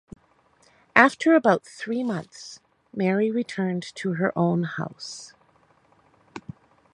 After about three months, Mary returned to her own house.